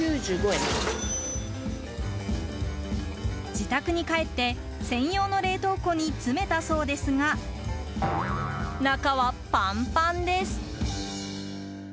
自宅に帰って専用の冷凍庫に詰めたそうですが中はパンパンです。